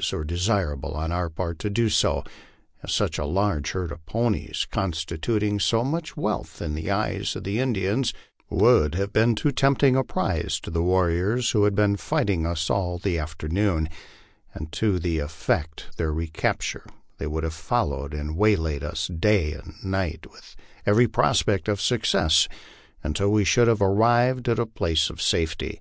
169 Dr desirable en our part to do so, as such a large herd of ponies, constituting so much wealth in the eyes of the Indians, would have been too tempting a prize to the warriors who had been fighting us all the afternoon, and to eflect their re capture they would have followed and waylaid us day and night, with every prospect of success, until we should have arrived at a place of safety.